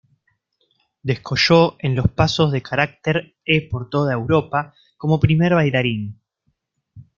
Descolló en los pasos de carácter e por toda Europa como primer bailarín.